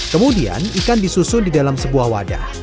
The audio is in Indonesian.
kemudian ikan disusun di dalam sebuah wadah